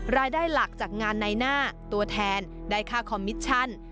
รายได้หลักจากงานในหน้าตัวแทนได้ค่าคอมมิชชั่น